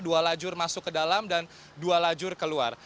dua lajur masuk ke dalam dan dua lajur keluar